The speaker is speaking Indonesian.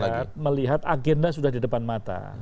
saya melihat agenda sudah di depan mata